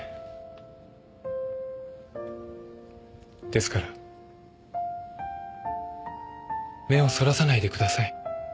ですから目をそらさないでください。